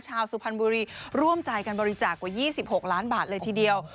สุพรรณบุรีร่วมใจกันบริจาคกว่า๒๖ล้านบาทเลยทีเดียว